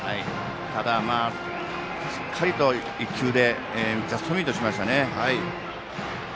ただ、しっかりと１球でジャストミートしましたね。